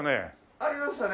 ありましたね。